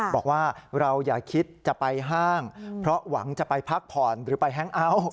บอกว่าเราอย่าคิดจะไปห้างเพราะหวังจะไปพักผ่อนหรือไปแฮงเอาท์